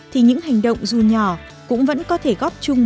thì những hành động dù nhỏ cũng vẫn có thể góp chung